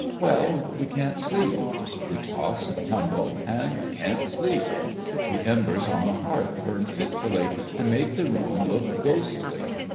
Well ! we can't sleep. We toss and tumble, and can't sleep. The embers on the hearth burn fitfully and make the room look ghostly.